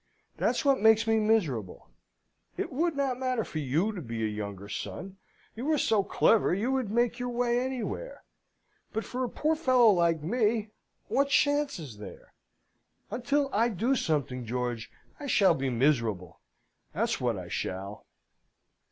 That's what makes me miserable. It would not matter for you to be a younger son you are so clever you would make your way anywhere; but, for a poor fellow like me, what chance is there? Until I do something, George, I shall be miserable, that's what I shall!"